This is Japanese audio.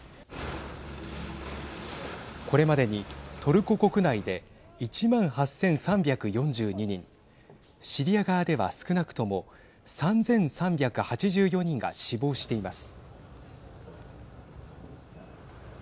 これまでにトルコ国内で１万８３４２人シリア側では少なくとも３３８４人が死亡しています。